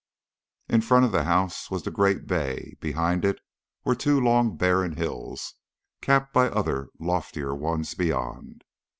In front of the house was the great bay, behind it were two long barren hills, capped by other loftier ones beyond.